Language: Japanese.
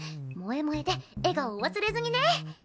萌え萌えで笑顔を忘れずにね。